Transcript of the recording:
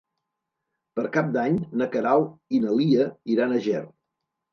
Per Cap d'Any na Queralt i na Lia iran a Ger.